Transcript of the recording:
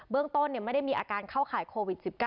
ต้นไม่ได้มีอาการเข้าข่ายโควิด๑๙